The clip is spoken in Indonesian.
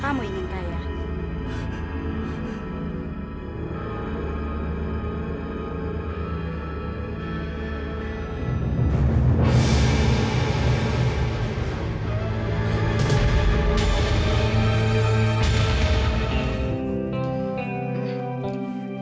kau ini cara berakin degree overload